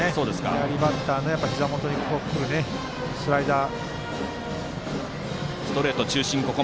左バッターのひざ元に来るスライダー。